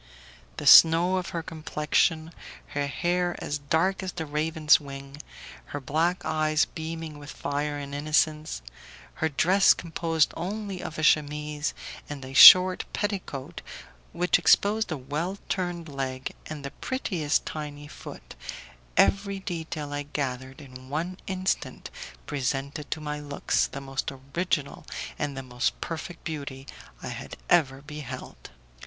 The snow of her complexion, her hair as dark as the raven's wing, her black eyes beaming with fire and innocence, her dress composed only of a chemise and a short petticoat which exposed a well turned leg and the prettiest tiny foot, every detail I gathered in one instant presented to my looks the most original and the most perfect beauty I had ever beheld.